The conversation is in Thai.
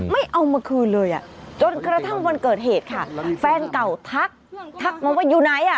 ไม่เอามาคืนเลยอ่ะจนกระทั่งวันเกิดเหตุค่ะแฟนเก่าทักทักมาว่าอยู่ไหนอ่ะ